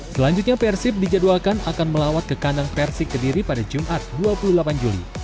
selanjutnya persib dijadwalkan akan melawat ke kandang persik kediri pada jumat dua puluh delapan juli